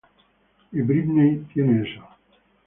Y Britney tiene eso".